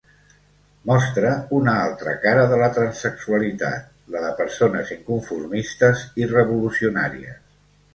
Mostra una altra cara de la transsexualitat, la de persones inconformistes i revolucionàries.